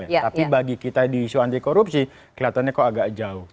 tapi bagi kita di isu anti korupsi kelihatannya kok agak jauh